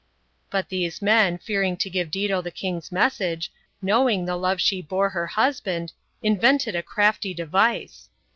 But these men, fearing to give Dido the king's message, knowing the love she bore her husbuad, invented a crafty device.